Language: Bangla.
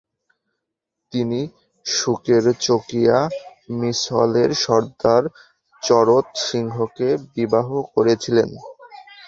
তিনি সুকেরচকিয়া মিসলের সর্দার চরত সিংকে বিবাহ করেছিলেন।